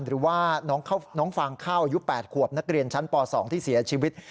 หรือว่าน้องฟางข้าวอายุ๘ขวบนักเรียนชั้นป๒ที่เสียชีวิต